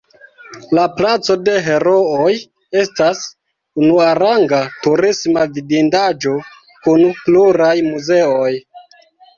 La Placo de Herooj estas unuaranga turisma vidindaĵo kun pluraj muzeoj.